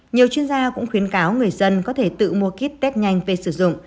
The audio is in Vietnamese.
nhiều chuyên gia cũng khuyến cáo người dân có thể tự mua kit test nhanh về sử dụng